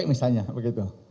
ya misalnya begitu